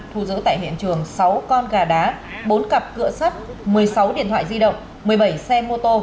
thu giữ tại hiện trường sáu con gà đá bốn cặp cửa sắt một mươi sáu điện thoại di động một mươi bảy xe mô tô